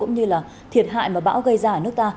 cũng như là thiệt hại mà bão gây ra ở nước ta